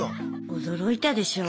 驚いたでしょう？